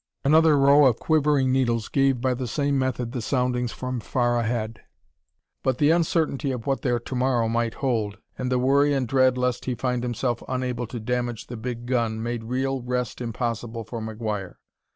Another row of quivering needles gave by the same method the soundings from far ahead. But the uncertainty of what their tomorrow might hold and the worry and dread lest he find himself unable to damage the big gun made real rest impossible for McGuire.